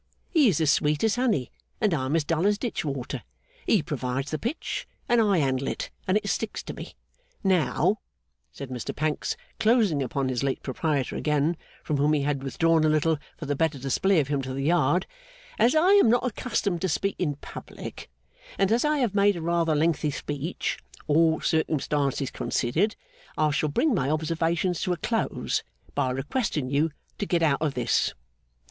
He is as sweet as honey, and I am as dull as ditch water. He provides the pitch, and I handle it, and it sticks to me. Now,' said Mr Pancks, closing upon his late Proprietor again, from whom he had withdrawn a little for the better display of him to the Yard; 'as I am not accustomed to speak in public, and as I have made a rather lengthy speech, all circumstances considered, I shall bring my observations to a close by requesting you to get out of this.